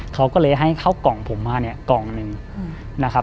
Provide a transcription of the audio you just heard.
เขาก็เลยให้เข้ากล่องผมมาเนี่ยกล่องหนึ่งนะครับ